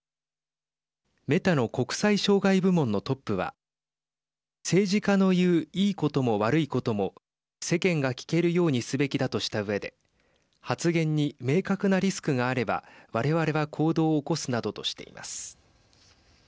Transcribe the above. メタの国際渉外部門のトップは政治家の言ういいことも悪いことも世間が聞けるようにすべきだとしたうえで発言に明確なリスクがあれば我々は行動を起こすなどとしています。